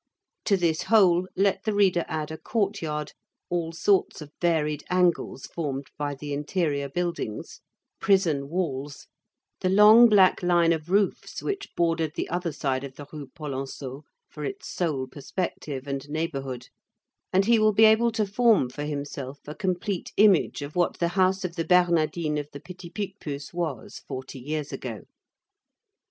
To this whole, let the reader add a courtyard, all sorts of varied angles formed by the interior buildings, prison walls, the long black line of roofs which bordered the other side of the Rue Polonceau for its sole perspective and neighborhood, and he will be able to form for himself a complete image of what the house of the Bernardines of the Petit Picpus was forty years ago.